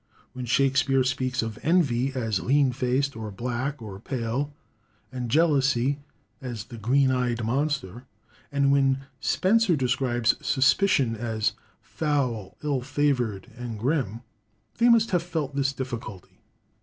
When Shakspeare speaks of Envy as lean faced, or black, or pale, and Jealousy as "the green eyed monster;" and when Spenser describes Suspicion as "foul, ill favoured, and grim," they must have felt this difficulty.